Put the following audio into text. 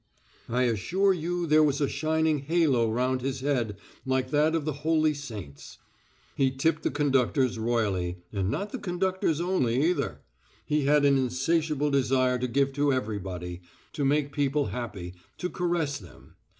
I assure you there was a shining halo round his head like that of the holy saints. He tipped the conductors royally, and not the conductors only either. He had an insatiable desire to give to everybody, to make people happy, to caress them.